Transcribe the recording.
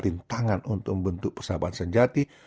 rintangan untuk membentuk persahabatan sejati